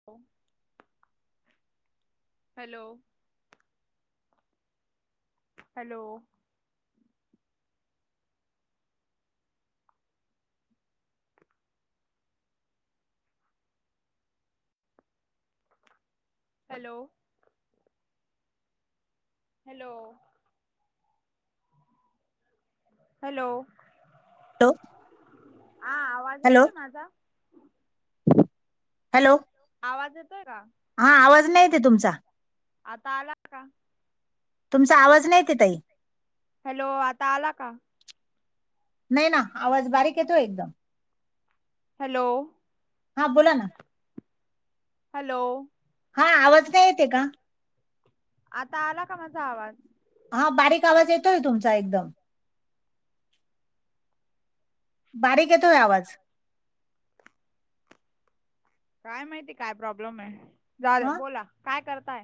[inaudible] Hello hello. Hello. Hello. Hello. Hello हा आवाज hello येतोय माझा. हॅलो. आवाज येतोय का? हा आवाज नाहीे तई तुमचा. आता आला का? तुमचा आवाज नाही येते ताई. हॅलो आता आला का? नाही ना आवाज बारीक येतो एकदम. हॅलो. हा बोला ना. हॅलो हा आवाज नाही चेते का? आता आला का माझा आवाज. हा बारीक आवाज येतोय तुमचा एकदम. बारीक येतोय आवाज. काय माहिती? काय प्रॉब्लेम आहे? झाले हा बोला, काय करताय?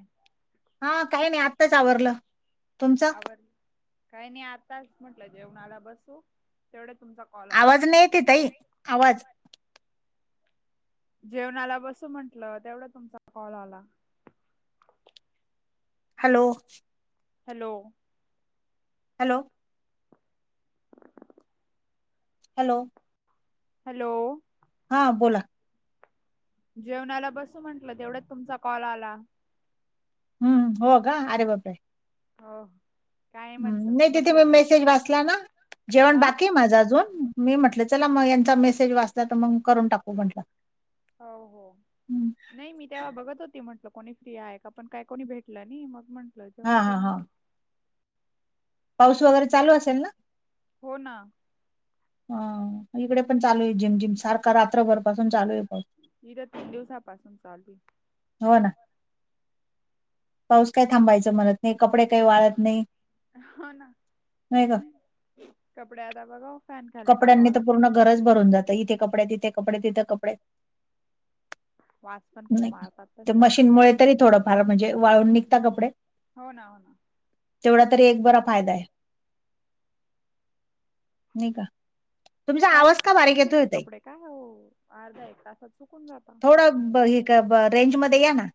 हा, काही नाही, आत्ताच आवरलं. तुमचा आ, काही नाही आताच म्हटलं जेवणाला बसू, तेवढ्यात तुमचा कॉल आला आवाज नाही येते ताई, आवाज जेवणाला बसू म्हंटलं, तेवढ्यात तुमचा कॉल आला. Hello? Hello? Hello? Hello? Hello? हा, बोला. जेवणाला बसू म्हटलं, तेवढ्याच तुमचा कॉल आला. हम्म! हो का, अरे बापरे! हो. काय हम्! म्हंटलं नाही तिथे बसलं मी तरी मेसेज वाचला ना, जेवण अ बाकी माझा अजून मी म्हटलं, चला मग यांचा मेसेज वाचला तर, मग करून टाकू म्हटल. हो हो. नाही, मी तेव्हा बघत होती म्हटल, कोणी फ्री आहे का, पण काय कोणी भेटलं नाही, मग म्हंटलं जेवण हा हा करून हा घे पाऊस वगैरे चालू असेल ना? हो ना. हा, इकडे पण चालू आहे, जिम-जिम, सारखा रात्रभर पासून चालू आहे. इथ तीन दिवसापाासून चालूये. हो ना. पाऊस काय थांबायचं म्हणत नाही, कपडे काही वाढत नाही. आहे. हो ना, नाही का? कपडे् आता बघाव, फॅन खाली कपड्यांनी टाकाव तर लागते पूर्ण घरच भरून जात, इथे कपडे, तिथे कपडे, तिथे कपडे वास पण खूप नाही का, मारतात ते तसे मशीनमुळे तरी थोडंफार म्हणजे वाळून निघता कपडे. हो ना, हो ना. तेवढा तरी एक बरा फायदा आहे. नई का? तुमचा काय आवाज का बारीक येतोय मशीनचे ताई? कपडे, काय हो अर्धा एक तासात सुकून जाता. थोडं रेंज मध्ये या ना.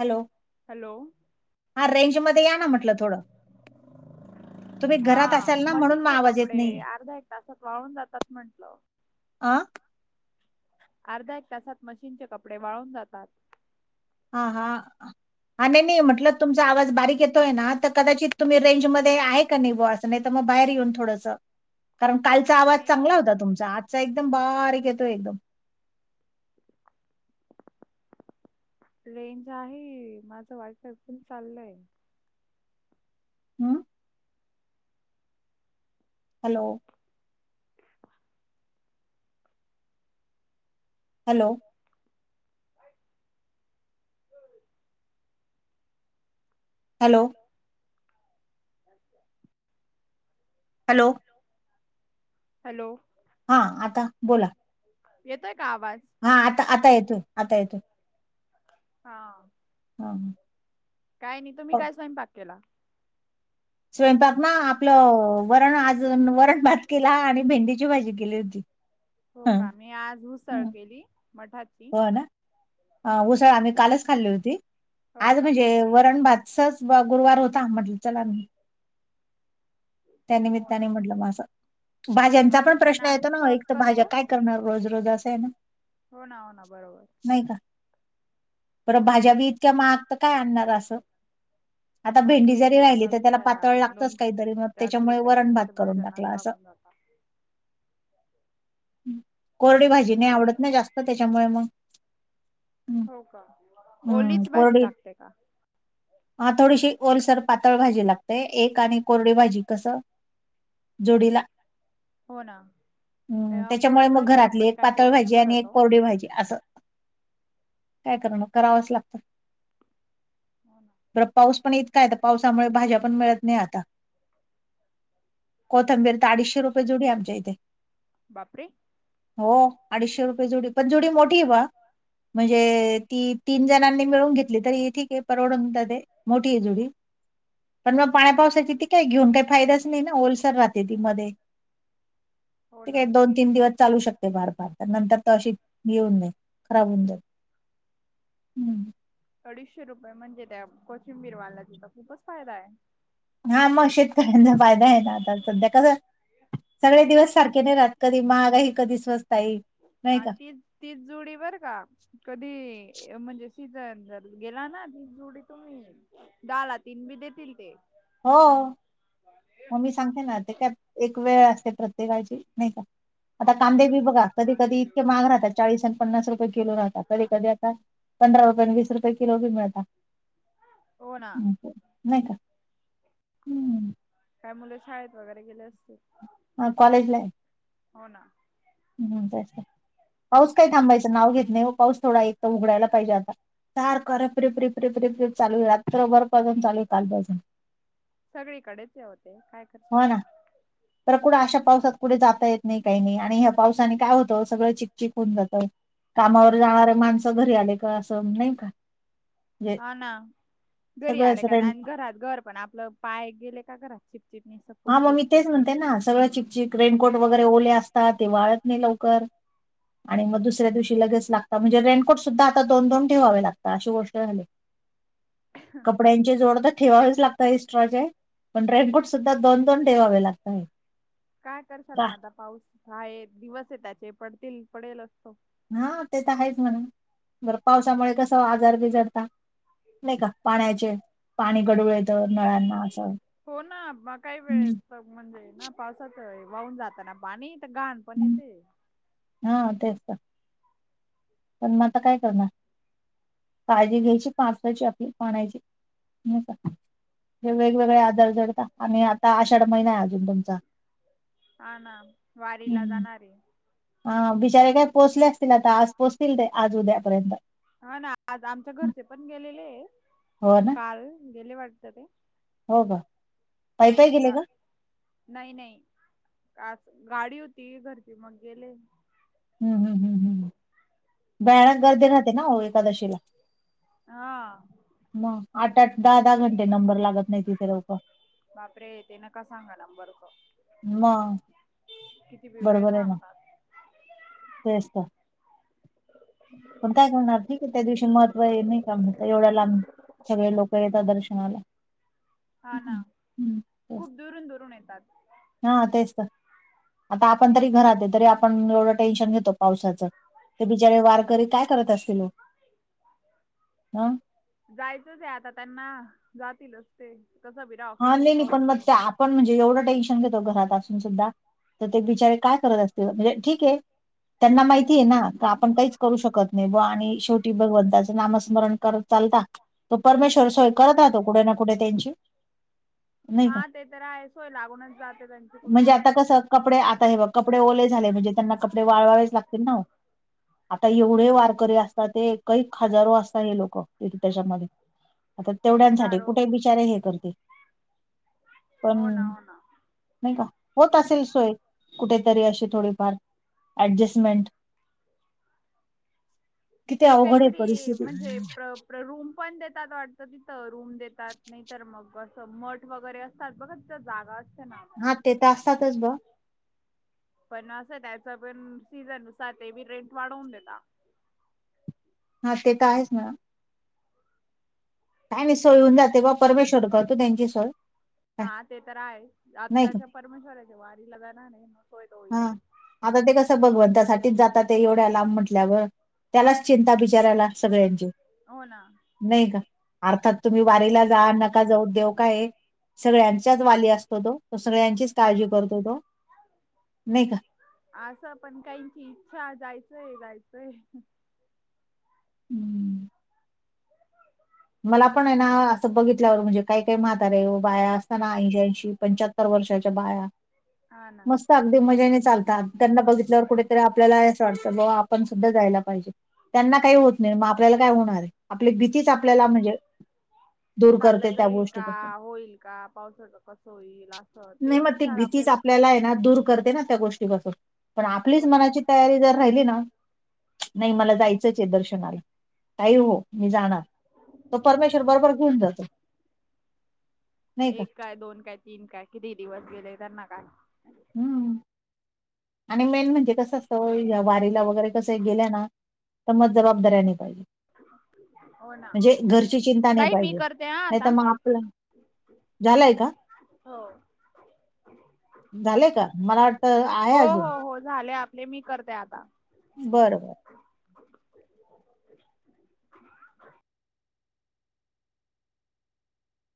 हॅलो? हॅलो. हा, रेंज मध्ये या ना म्हटलं थोडं. तुम्ही हा, घरात असाल ना म्हणून मग मशीनचे आवाज येत कपडे, नाहीये. अर्ध्या एक तासात वाळून जातात म्हंटलं. आ? अर्ध्या एक तासात मशीनचे कपडे वाळून जातात. हा हा. आणि नाही नाही म्हटलं, तुमचा आवाज बारीक येतोय ना, तर कदाचित तुम्ही रेंज मध्ये आहे का नाही बॉस नाही तर मग बाहेर येऊन थोडस कारण कालचा आवाज नाही ओ. चांगला होता तुमचा, आजचा एकदम बारीक येतो एकदम [inaudible] रेंज आहे, माझं वाईफाय पण चाललंय. हम. Hello hello hello hello hello हा आता बोला येतोय का आवाज? हा आता आता येतो आता येतो. हा हा हं काय नी तुम्ही काय स्वयंपाक केला. स्वयंपाक ना आपलं वरण अजून वरण भात केला आणि भेंडीची भाजी केली होती. हो हा का मी आज उसळ केली मठाची ह ना अ उसळ आम्ही कालच खाल्ली होती. हो आज का म्हणजे वरण भातसच गुरुवार होता म्हटलं चला म्हणू त्या हो ना निमित्ताने म्हटलं म असं भाज्यांचा आम्ही पण प्रश्न असं येतो ना एक सहज त करतो भाज्या काय करणार? रोज रोज असंय न हो ना हो ना बरोबर. नाही का परत भाज्या बी इतक्या महाग त काय आणणार असं आता भेंडी बापरे जरी येते राहिली नका त त्याला विचारा पातळ लागतच दोनशे कायतरी तीनशे मग चारशे मय रुपये तर वरण भात नुसतं करून भाज्यांनाच टाकला अस लागून जातात. कोरडी भाजी नाय आवडत ना जास्त त्याच्यामुळ मग हो का ओलीच भाजी लागते का? ह थोडीशी ओलसर पातळ भाजी लागतय एक आणि कोरडी भाजी कस जोडीला हो ना हम्म अ, त्याच्यामुळे कोरडी मग भाजीवर घरातली पण एक काय पातळ पोट नाही भाजी आणि भरत एक ओ कोरडी भाजी असं काय करण करावंच लागतं. हो ना परत पाऊस पण इतकाय त पावसामुळ भाज्या पण मिळत नाय आता कोथंबीर तर अडीचशे रुपये जूडीये आमच्या इथे बापरे! हो अडीचशे रुपये जुडी पण जुडी मोठीये बुआ म्हणजे ती तीन जणांनी मिळून घेतली तरी ठीकये परवडून जाते. मोठीये जुडी पण म पाण्या पावसाची ती काय घेऊन काय फायदाच नाही ना ओलसर राहते ती मध्ये हो टी काय ना दोन तीन दिवस चालू शकते फार फार तर नंतर त अशी हे होऊन जाते खराब होऊन जात हम्म अडीचशे रुपये म्हणजे त्या कोथंबीर वाल्याचा त खूपच फायदाय. हा म शेतकऱ्यांचा फायदा हाय ना आता सध्या कस सगळे दिवस सारखे नाही राहात कधी महागही कधी स्वस्ताई आणि तीच तीच जुडी बरका कधी म्हणजे सीजन जर गेला ना तीच जुडी तुम्ही दहाला तीन बी देतील ते हो. मग मी सांगते ना, ते काय एक वेळ असते प्रत्येकाची, नाही का? आता हो ना हो कांदे बी ना बघा, कधी कधी इतके महाग राहतात, चाळीस आणि पन्नास रुपये किलो राहतात, कधी कधी पंधरा रुपये न वीस रुपये किलो बी मिळतात. हो ना नाही का, हम्म! काय मुलं शाळेत वगैरे गेले असतील? हम, कॉलेजलाये हो ना. हम्म हम्म, तेच तर पाऊस काय थांबायचं नाव घेत नाही हो, पाऊस थोडा एक तर उघडायला पाहिजे आता. सारखा रिप रिप रिप रिप चालूये, रात्रभर पासून चालुये कालपासून. सगळीकडेच ओ ते काय करशाल हो ना, आता तर कुडं अशा पावसात कुठे जाता येत नाही, काही नाही, आणि ह्या पावसाने काय होतं, सगळं चिक चीकून जात, कामावर जाणारे माणसं घरी आले का असं नाही का म्हणजे हा ना, घरी आले सगळंच का रेंट आणि घरात घर पण आपलं, पाय गेले का घरात चिक हा, मग मी तेच म्हणते ना, सगळं चिकचिक रेनकोट वगैरे ओले असतात, ते वाळत नाही लवकर. आणि मग दुसऱ्या दिवशी लगेच लागता, म्हणजे रेनकोट सुद्धा आता दोन दोन ठेवावे लागतात, अशी गोष्ट झालीये. कपड्यांचे जोड तर ठेवावेच लागत एस्ट्राचे, पण रेनकोट सुद्धा दोन दोन ठेवावे लागताय. काय करशाल मग आता, पाऊस हा दिवस आहे त्याचे, पडतील पडेलच तो हा, ते तर आहेच म्हणा, बर पावसामुळे कस आजार बिजार ता नाही का, पाण्याचे, पाणी गडूळ येत नळांना असं, हम्. पण म्हणजे ना पावसात वाहून जाताना पाणी, तर गाण पण हम्म. येते. हा तेच तर. पण मग आता काय करणार, काळजी घ्यायची पावसाची आपली पाण्यायची नाही का, हे वेगवेगळे आजार जडता, आणि आता आषाढ महिना अजून तुमचा. हा ना, वारीला हम्म. जाणारे. हा, बिचारे काय पोचले असतील आता, आज पोहोचतील ते आज उद्यापर्यंत. हा ना, आज आमच्या घरचे पण गेलेले, हो ना काल गेले वाटत ते. हो का पायी पायी हा, गेले जा का नाही नाही, आज गाडी होती घरची, मग गेले. हम् हम् हम् हम्, भयानक गर्दी राहते ना हो, एक एकादशिला. हा म आठ आठ दहा दहा घंटे नंबर लागत नाही तिथे लोक बापरे! यते न का सांगा नंबरच. म किती वेळ थांबतात तेच तर पण काय करणार त्या दिवशी महत्व आहे नाही का, म्हणत एवढा लांब सगळे लोक येतात दर्शनाला. हा ना, हम्म. हम्म. तेच. खूप दुरून दुरून येतात. हा तेच तर, आता आपण तरी घरात ये, तरी आपण एवढं टेन्शन घेतो. पावसाच, ते बिचारे वारकरी काय करत असतील ओ? जायचंच आहे आता त्यांना, जातीलच ते, तसं भी राव कस हा बी नाही नाही पाऊस मग ते आपण पण म्हणजे एवढं टेन्शन घेतो, घरात असून सुद्धा तर ते बिचारे काय करत असतील म्हणजे ठीक आहे. त्यांना माहिती आहे ना आपण काहीच करू शकत नाही ब आणि शेवटी भगवंताचं नामस्मरण करत चालता. तो परमेश्वर सोय करत आहतो कुठे ना कुठे त्यांची नाही हा का ते तर आहे सोय लागूनच जाते त्यांची कुठे म्हणजे न आता कुठ? कसं कपडे आता हे कपडे ओले झाले म्हणजे त्यांना कपडे वाळवावेच लागतील ना आता एवढे वा. करी असतात ते काही हजारो असतात हे लोक त्याच्यामध्ये. आता तेवढ्यांसाठी हजारो कुठे बिचारे हे करते पण हो ना हो ना नाही का होत असेल सोय कुठेतरी अशी थोडीफार. अडजस्टमंट. ते काहीतरी म्हणजे प्र रूम पण देतात वाटत तिथं रूम देतात नाही तर मग अस मठ वगैरे अस सर् बघच जागा असते ना? हा ते तर असतातच ब पण असं त्याचा पण सीझननुसार ते बी रेंट वाढवून देता. हा ते तर आहेच मॅडम. काय मीसळ होन जाते बा परमेश्वर कर तू त्यांची सोय काय हा ते तर आहे आता नाही का त्याच्या परमेश्वराच्या वारीला जाणार नाही मग होय तो हा होईलच. आता ते कसं भगवंतासाठीठीच जातात ते एवढ्या लांब म्हटल्यावर. त्यालाच चिंता बिचारायला सगळ्यांची हो ना. नाही का अर्थात तुम्ही वारीला जा नका जाऊ देऊ का हे? सगळ्यांचाच वाली असतो तो तो सगळ्यांचीच काळजी करतो तो. नाही का? असं पण काहीची इच्छा जायचंय जायचंय. हम्म. मला पण आहे ना असं बघितल्यावर म्हणजे काय काय म्हातारे बाया असताना ऐंशीच्या ऐंशी. पंच्याहत्तर वर्षाच्या बाया. हा. ना. मस्त अगदी मजेने चालतात त्यांना बघितल्यावर कुठेतरी आपल्याला असं वाटतं बाबा आपण सुद्धा जायला पाहिजे. त्यांना काही होत नाही मग आपल्याला काय होणार आहे आपली भीतीच आपल्याला म्हणजे दूर चाललं करते त्या जाईल का गोष्टीपासून होईल का पावसाच कसं होईल असं नाही तेच मग ती विचार भीतीच आपल्याला आपल्याला खात आहे ना दूर करते ना त्या गोष्टीपासून पण आपलीच हो ना. मनाची तयारी जर राहिली ना नाही मला जायचंच आहे दर्शनाला काही हो मी जाणार. ह. तो परमेश्वर बरोबर घेऊन जातो. नाही का एक काय दोन काय तीन काय किती दिवस गेले त्यांना काय? हम्म आणि मेन म्हणजे कसं असतं वारीला वगैरे कसं गेल्या ना समज जबाबदाऱ्या आणि पाहिजे. हो ना म्हणजे घरची चिंता नाही ताई मी पाहिजे करते ह नाही तर आता मग आपलं झालंय का हो..... झाले का मला वाटत आहे हो अजून हो हो झाले आपले मी करते आता बर बर